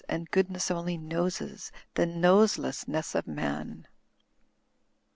And goodness only knowses The Noselessness of Man."